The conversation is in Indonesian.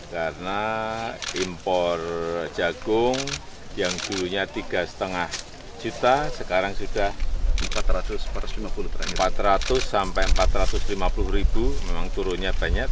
jogor jagung yang dulunya rp tiga lima juta sekarang sudah rp empat ratus empat ratus lima puluh ribu memang turunnya banyak